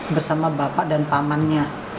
bersama bapak dan pamannya